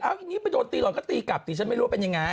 อันนี้ไปโดนตีหล่อนก็ตีกลับสิฉันไม่รู้ว่าเป็นยังไง